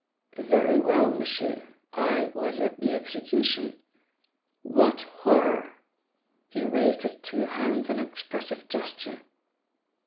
"Very well, m'sieur. I was at the execution. What horror!" He raised his two hands in an expressive gesture.